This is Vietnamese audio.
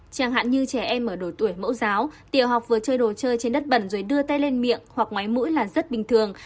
chẳng hạn như trẻ em ở độ tuổi mẫu giáo tiểu học vừa chơi đồ chơi trên đất bẩn rồi đưa tay lên miệng hoặc ngoái mũi là rất bình thường